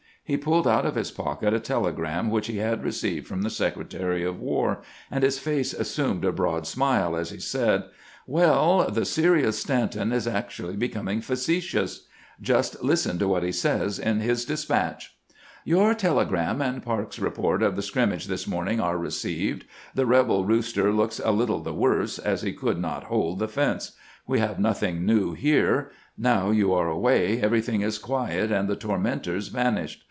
He pulled out of his pocket a telegram which he had received from the Secretary of War, and his face assumed a broad smile as he said :" Well, the serious Stanton is actually becoming facetious. Just 410 CAMPAIGNING WITH GRANT listen to what lie says in his despatch :' Your telegram and Parke's report of the scrimmage this morning are received. The rebel rooster looks a little the worse, as he could not hold the fence. We have nothing new here. Now you are away, everything is quiet and the tormen tors vanished.